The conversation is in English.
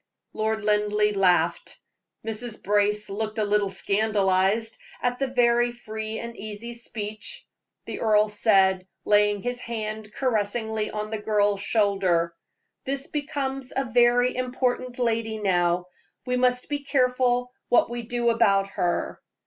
Lord Linleigh laughed; Mrs. Brace looked a little scandalized at the very free and easy speech. The earl said, laying his hand caressingly on the girl's shoulder: "This becomes a very important lady now; we must be careful what we do about her.